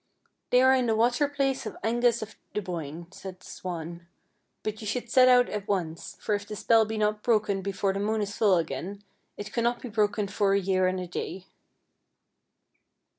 "" They are in the water palace of Angus of the Boyne," said the swan ;" but you should set out at once, for if the spell be not broken before the moon is full again, it cannot be broken for a year and a day."